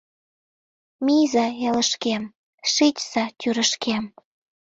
Мийза элышкем, шичса тӱрышкем